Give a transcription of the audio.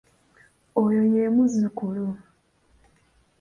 Oyo ye muzzukulu.